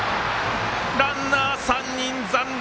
ランナー３人残塁。